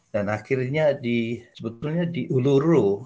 dan akhirnya di sebetulnya diuluru